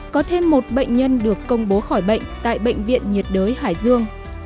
có thêm một bệnh nhân được công bố khỏi bệnh tại bệnh viện nhiệt đới hải dương